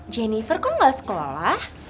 jennifer kok gak sekolah